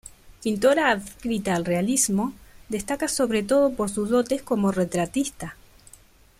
Pintora adscrita al realismo, destaca sobre todo por sus dotes como retratista.